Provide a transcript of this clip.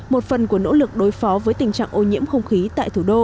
một phần của nỗ lực đối phó với tình trạng ô nhiễm không khí tại thủ đô